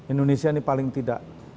indonesia ini paling tidak